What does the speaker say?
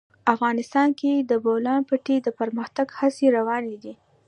افغانستان کې د د بولان پټي د پرمختګ هڅې روانې دي.